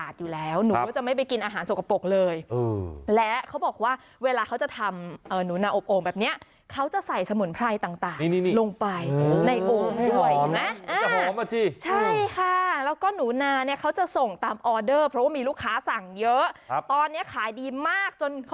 ใช่ค่ะแล้วก็หนูนาเขาจะส่งตามออเดอร์เพราะว่ามีลูกค้าสั่งเยอะ